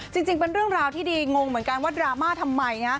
จริงเป็นเรื่องราวที่ดีงงเหมือนกันว่าดราม่าทำไม